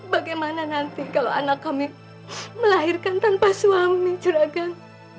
bagaimana nanti kalau anak kami melahirkan tanpa suami curagan